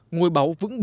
ngôi báu vững vững đẹp